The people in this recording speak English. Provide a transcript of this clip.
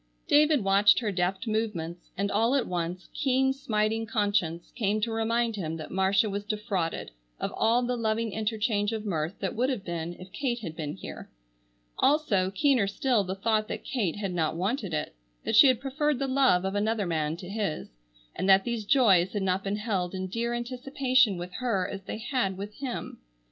David watched her deft movements and all at once keen smiting conscience came to remind him that Marcia was defrauded of all the loving interchange of mirth that would have been if Kate had been here. Also, keener still the thought that Kate had not wanted it: that she had preferred the love of another man to his, and that these joys had not been held in dear anticipation with her as they had with him.